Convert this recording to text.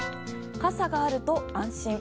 傘があると安心。